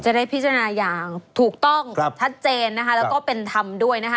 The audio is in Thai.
จะได้พิจารณาอย่างถูกต้องชัดเจนนะคะแล้วก็เป็นธรรมด้วยนะคะ